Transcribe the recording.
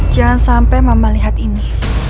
jangan sampai mama lihat ini